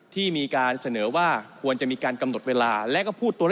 ที่มีการเสนอว่าควรจะมีการกำหนดเวลา